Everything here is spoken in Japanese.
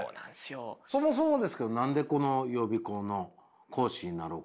そもそもですけど何で予備校の講師になろうかなと？